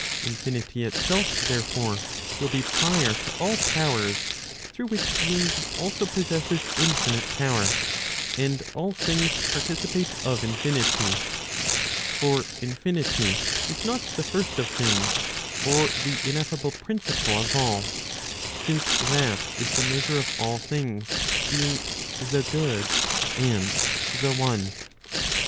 Infinity itself therefore, will be prior to all powers, through which being also possesses infinite power, and all things participate of infinity. For infinity is not the first of things [or the ineffable principle of all] since that is the measure of all things, being the good and the one.